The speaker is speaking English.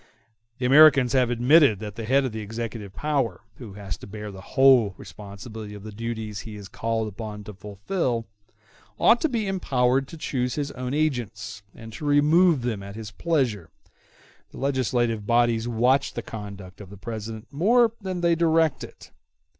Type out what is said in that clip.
The Americans have admitted that the head of the executive power, who has to bear the whole responsibility of the duties he is called upon to fulfil, ought to be empowered to choose his own agents, and to remove them at pleasure: the legislative bodies watch the conduct of the President more than they direct it.